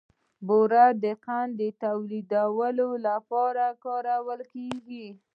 بوره د قند تولیدولو لپاره کارول کېږي.